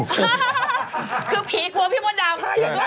คือผีกลัวพี่มดดำ